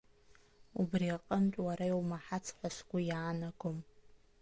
Убри аҟнытә, уара иумаҳацт ҳәа сгәы иаанагом.